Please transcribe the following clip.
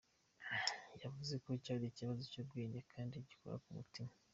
Yavuze ko cyari ikibazo cy'ubwenge kandi gikora ku mutima.